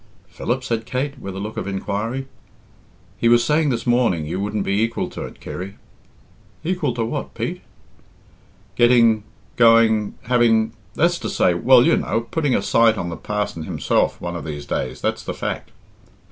"Philip?" said Kate, with a look of inquiry. "He was saying this morning you wouldn't be equal to it, Kirry." "Equal to what, Pete?" "Getting going having that's to say well, you know, putting a sight on the parson himself one of these days, that's the fact."